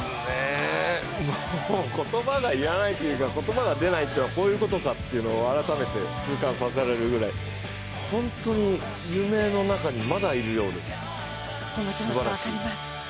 もう言葉が要らないというか言葉が出ないというのはこういうことかと改めて痛感させられるくらいホントに夢の中にまだいるようです、すばらしい。